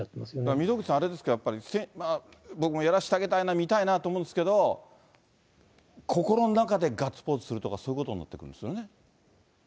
溝口さん、あれですか、やっぱり、僕もやらせてあげたいな、見たいなと思うんですけど、心の中でガッツポーズするとか、そういうことになってくるわけですよね。